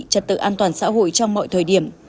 trật tự an toàn xã hội trong mọi thời điểm